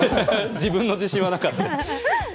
自分の自信はなかったです。